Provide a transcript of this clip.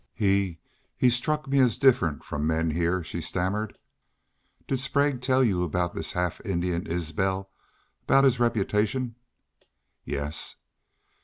"He he struck me as different from men heah," she stammered. "Did Sprague tell you aboot this half Indian Isbel aboot his reputation?" "Yes."